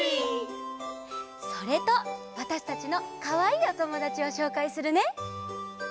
それとわたしたちのかわいいおともだちをしょうかいするね。